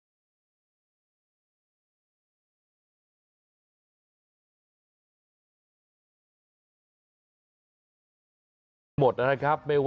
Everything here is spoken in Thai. อารมณ์ของแม่ค้าอารมณ์การเสิรฟนั่งอยู่ตรงกลาง